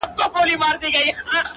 گراني شاعري زه هم داسي يمه _